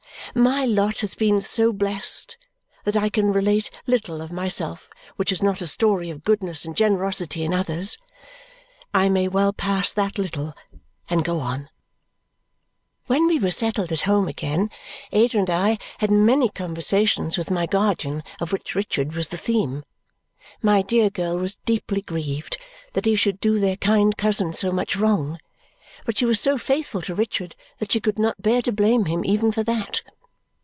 My lot has been so blest that I can relate little of myself which is not a story of goodness and generosity in others. I may well pass that little and go on. When we were settled at home again, Ada and I had many conversations with my guardian of which Richard was the theme. My dear girl was deeply grieved that he should do their kind cousin so much wrong, but she was so faithful to Richard that she could not bear to blame him even for that.